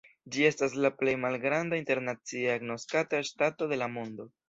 Ĝi estas la plej malgranda internacie agnoskata ŝtato de la mondo.